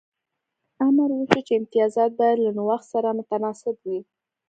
امر وشو چې امتیازات باید له نوښت سره متناسب وي